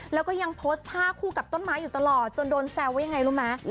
แล้วก็ยังโพสต์ภาพคู่กับต้นไม้อยู่ตลอดจนโดนแซวว่ายังไงรู้ไหม